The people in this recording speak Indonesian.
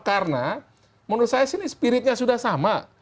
karena menurut saya sih ini spiritnya sudah sama